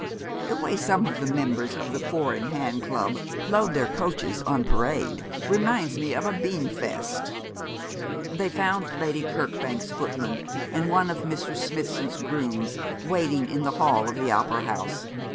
The way some of the members of the Four in hand Club load their coaches on parade reminds me of a Beanfeast!' They found Lady Kirkbank's footman and one of Mr. Smithson's grooms waiting in the hall of the opera house.